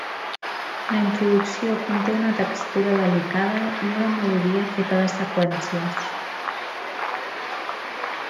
La introducció conté una textura delicada i una melodia feta de seqüències.